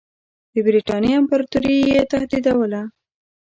د برټانیې امپراطوري یې تهدیدوله.